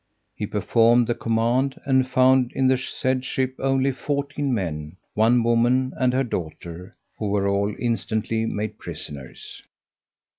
He performed the command, and found in the said ship only fourteen men, one woman and her daughter, who were all instantly made prisoners.